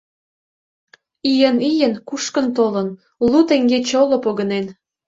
Ийын-ийын кушкын толын, лу теҥге чоло погынен.